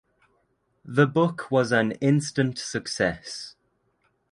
The book was an instant success.